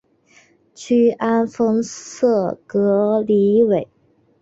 屈安丰塞格里韦。